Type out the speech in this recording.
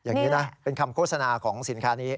นี่แหละเป็นคำโฆษณาของสินคานี้